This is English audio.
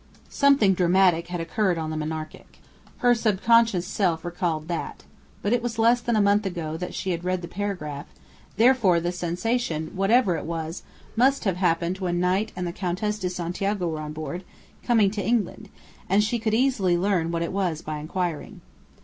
Something dramatic had occurred on the Monarchic. Her subconscious self recalled that. But it was less than a month ago that she had read the paragraph, therefore the sensation, whatever it was, must have happened when Knight and the Countess de Santiago were on board, coming to England, and she could easily learn what it was by inquiring.